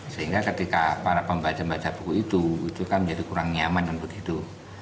sehingga ketika para pembaca membaca buku itu itu kan menjadi kurang nyaman untuk hidup